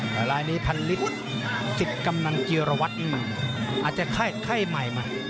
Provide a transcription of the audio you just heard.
ตอนนี้พันธุ์ฤทธิ์ติดกำนังเจรวรอาจจะไข้ไข้ใหม่มา